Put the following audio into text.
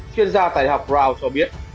chuyên gia tài học brown cho biết